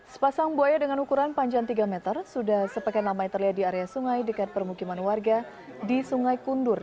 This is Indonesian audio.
sepasang buaya dengan ukuran panjang tiga meter sudah sepekan ramai terlihat di area sungai dekat permukiman warga di sungai kundur